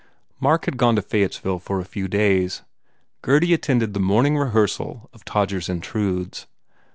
Mark had gone to Fayettesville for a few days. Gurdy attended the morning rehearsal of "Tod gers Intrudes."